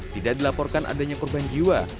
tidak dilaporkan adanya korban jiwa